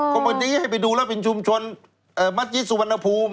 กรุงเมืองนี้ให้ไปดูแล้วเป็นชุมชนมัชยิสุวรรณภูมิ